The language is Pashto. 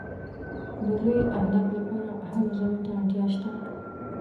د لویو اهدافو لپاره هلو ځلو ته اړتیا شته.